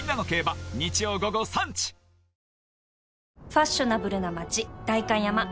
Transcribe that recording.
ファッショナブルな街代官山